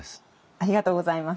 ありがとうございます。